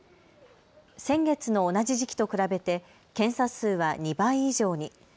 先月の同じ時期と比べて検査数は２倍以上に。